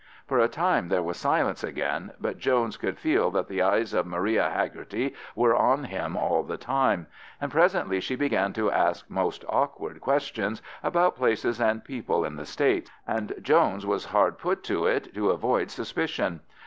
For a time there was silence again, but Jones could feel that the eyes of Maria Hegarty were on him all the time; and presently she began to ask most awkward questions about places and people in the States, and Jones was hard put to it to avoid suspicion.